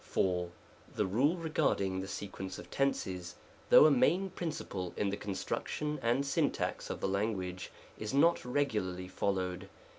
4. The rule regarding the sequence of tenses, though a main principle in the construction and syn tax of the language, is not regularly followed.